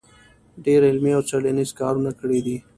ډېر علمي او څېړنیز کارونه کړي دی